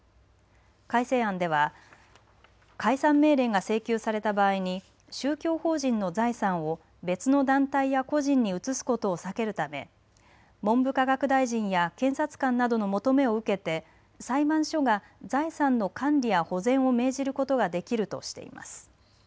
改正案では解散命令が請求された場合に宗教法人の財産を別の団体や個人に移すことを避けるため文部科学大臣や検察官などの求めを受けて裁判所が財産の管理や保全を命じることができるとしています。